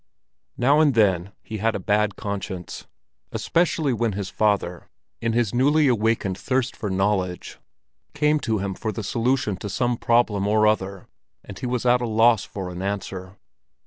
Now and then he had a bad conscience, especially when his father in his newly awakened thirst for knowledge, came to him for the solution of some problem or other, and he was at a loss for an answer.